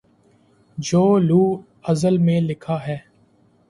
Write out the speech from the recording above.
جو لوح ازل میں لکھا ہے